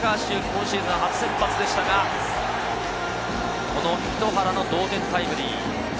今シーズン初先発でしたが、この糸原の同点タイムリー。